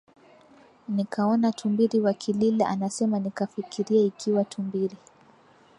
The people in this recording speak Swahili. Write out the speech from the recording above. nikaona tumbiri wakilila anasema Nikafikiria ikiwa tumbiri